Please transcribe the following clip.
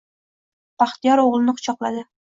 Baxtiyor oʻgʻlini quchoqladi